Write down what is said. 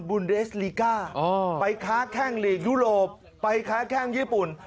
เดสลิก้าไปค้าแข้งลีกยุโรปไปค้าแข้งญี่ปุ่น